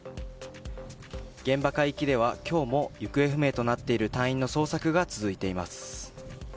現場海域では、今日も行方不明となっている隊員の捜索が続いています。